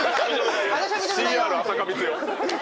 ＣＲ浅香光代。